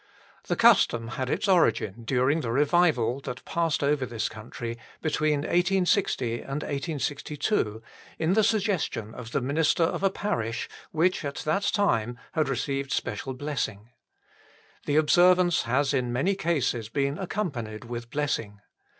The custom had its origin during the revival that passed over this country between 1860 and 1862 in the suggestion of the minister of a parish which at that time had received special blessing. The observance has in many cases been accompanied with blessing.